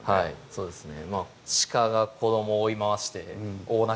そうですね